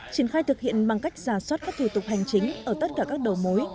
triển khai thực hiện bằng cách giả soát các thủ tục hành chính ở tất cả các đầu mối